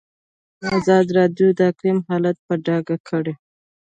ازادي راډیو د اقلیم حالت په ډاګه کړی.